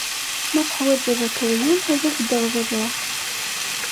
Ma teḥwajeḍ akeryun, ad ak-reḍleɣ.